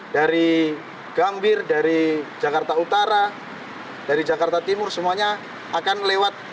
dari gambir dari jakarta utara dari jakarta timur semuanya akan lewat